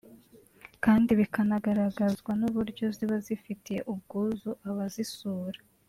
kandi bikanagaragazwa n’uburyo ziba zifitiye ubwuzu abazisura